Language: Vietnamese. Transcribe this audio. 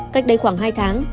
cách đây khoảng hai tháng